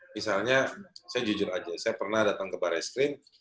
misalnya saya jujur saja saya pernah datang ke bar es krim